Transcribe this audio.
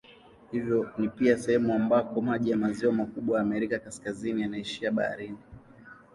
Hivyo ni pia sehemu ambako maji ya maziwa makubwa ya Amerika Kaskazini yanaishia baharini.